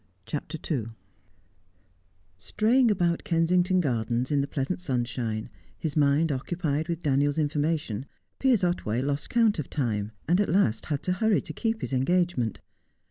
CHAPTER II Straying about Kensington Gardens in the pleasant sunshine, his mind occupied with Daniel's information, Piers Otway lost count of time, and at last had to hurry to keep his engagement.